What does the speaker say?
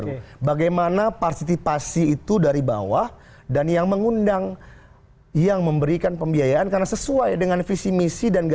undang undang memang tidak melarang